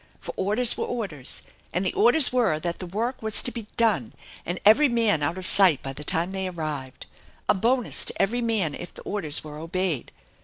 For orders were orders, and the orders were that the work was to be done and every man out of sight by the time they arrived. A bonus to every man if the orders were obeyed.